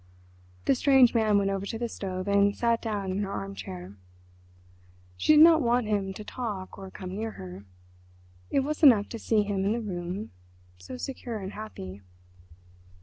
The strange man went over to the stove and sat down in her arm chair. She did not want him to talk or come near her—it was enough to see him in the room, so secure and happy.